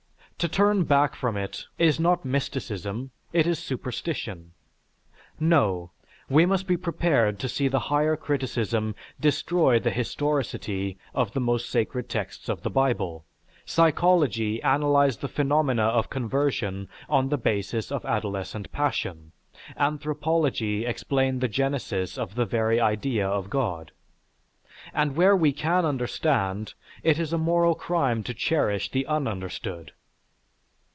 To turn back from it is not mysticism, it is superstition. No; we must be prepared to see the higher criticism destroy the historicity of the most sacred texts of the Bible, psychology analyze the phenomena of conversion on the basis of adolescent passion, anthropology explain the genesis of the very idea of God. An where we can understand, it is a moral crime to cherish the un understood.